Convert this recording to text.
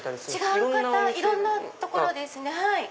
いろんなところですね。